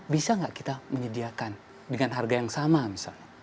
bisa nggak kita menyediakan dengan harga yang sama misalnya